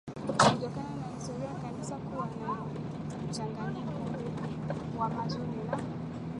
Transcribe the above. kutokana na historia ya Kanisa kuwa na mchanganyiko wa mazuri na